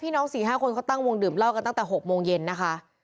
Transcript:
พี่น้องสี่ห้าคนเค้าตั้งวงดื่มเล่ากันตั้งแต่หกโมงเย็นนะคะ